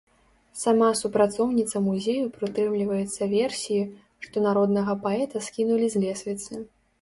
Сама супрацоўніца музею прытрымліваецца версіі, што народнага паэта скінулі з лесвіцы.